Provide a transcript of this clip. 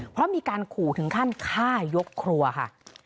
เพราะมีการขู่ถึงขั้นฆ่ายกครัวค่ะ